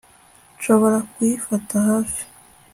nshobora kuyifata hafi